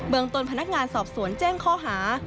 เบืองตนพนักงานสอบสวนเจ้งข้อหา